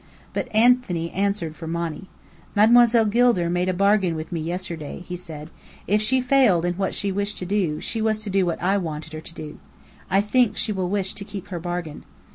But Anthony answered for Monny. "Mademoiselle Gilder made a bargain with me yesterday," he said. "If she failed in what she wanted to do, she was to do what I wanted her to do. I think she will wish to keep her bargain."